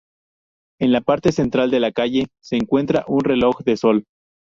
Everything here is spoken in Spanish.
En la parte central de la calle se encuentra un reloj de sol.